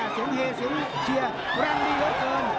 ส่องเฮส่องเชียร์แรงดีเยอะเกิน